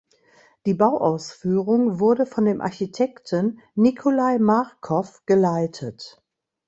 Die Bauausführung wurde von dem Architekten Nikolai Markow geleitet.